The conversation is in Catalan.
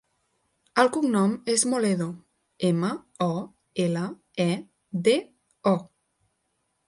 El cognom és Moledo: ema, o, ela, e, de, o.